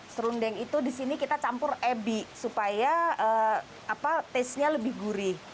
serundeng itu di sini kita campur ebi supaya taste nya lebih gurih